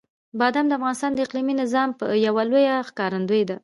بادام د افغانستان د اقلیمي نظام یوه لویه ښکارندوی ده.